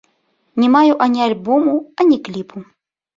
Не маю ані альбому, ані кліпу.